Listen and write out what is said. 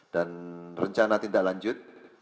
dan rencana tindak lanjut